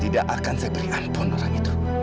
tidak akan saya beri ampun orang itu